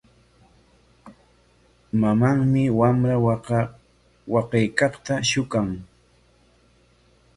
Mamanmi wamra waqaykaqta shuqan.